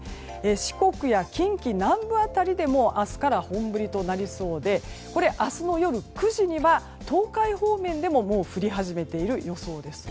四国や近畿南部辺りで明日から本降りとなりそうでこれ、明日の夜９時には東海方面でももう降り始めている予想です。